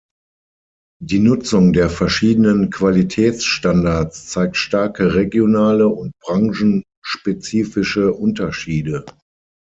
Die Nutzung der verschiedenen Qualitätsstandards zeigt starke regionale und branchenspezifische Unterschiede.